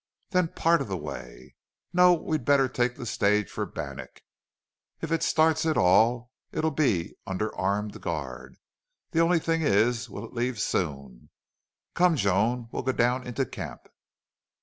"Then part of the way." "No. We'd better take the stage for Bannack. If it starts at all it'll be under armed guard. The only thing is will it leave soon?... Come, Joan, we'll go down into camp."